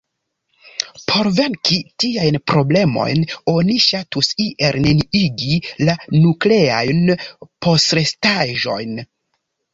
Por venki tiajn problemojn oni ŝatus iel neniigi la nukleajn postrestaĵojn.